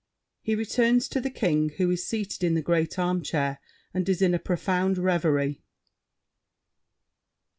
[He returns to The King, who is seated in the great armchair and is in a profound reverie.